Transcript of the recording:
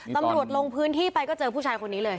ลงพื้นที่ไปก็เจอผู้ชายคนนี้เลย